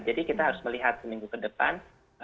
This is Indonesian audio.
jadi kita harus melihat seminggu ke depan